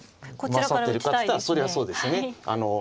勝っているかって言ったらそりゃそうですね。